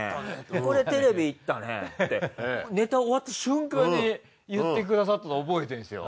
これテレビいったねってネタ終わった瞬間に言ってくださったの覚えてるんですよ。